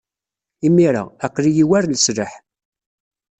Imir-a, aql-iyi war leslaḥ.